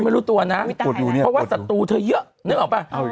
ไม่รู้ตัวนะเพราะว่าศัตรูเธอเยอะนึกออกป่ะ